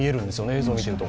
映像を見ていると。